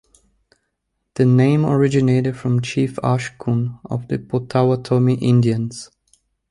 The name originated from Chief Ashkum of the Potawatomi Indians.